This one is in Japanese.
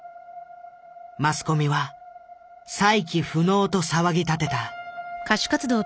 マスコミは「再起不能」と騒ぎ立てた。